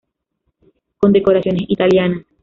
Condecoraciones italianas